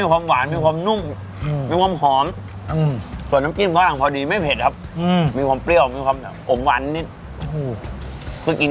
อุ้ยอุ้ยอุ้ยอุ้ยอุ้ยอุ้ยอุ้ยอุ้ยอุ้ยอุ้ยอุ้ยอุ้ยอุ้ยอุ้ยอุ้ยอุ้ย